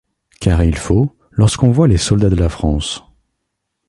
Car il faut, lorsqu'on voit les soldats de la France